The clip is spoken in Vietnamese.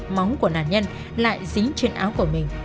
móng của nạn nhân lại dính trên áo của mình